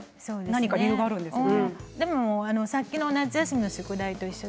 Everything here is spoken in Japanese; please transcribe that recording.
何か理由があるんですか。